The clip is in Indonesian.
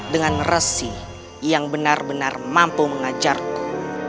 dengan resi yang benar benar mampu mengajarku